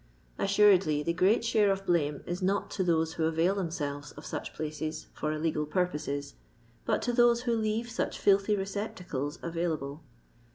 Assuredly the great share of blame if not to those who avail themselves of such placet for illegal purposes, but to those who leave such filthy receptacles available.